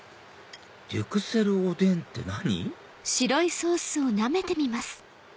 デュクセルおでんって何？